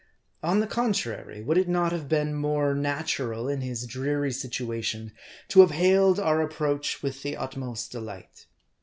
On the contrary, would it not have been more natural, in his dreary situation, to have hailed our approach with the utmost delight